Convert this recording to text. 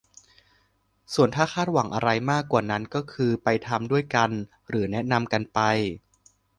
ส่วนถ้าคาดหวังอะไรมากกว่านั้นก็คือไปทำด้วยกันหรือแนะนำกันไป